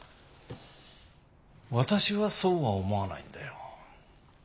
私はそうは思わないんだよ。